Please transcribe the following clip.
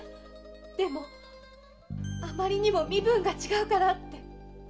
でもあまりにも身分が違うからって。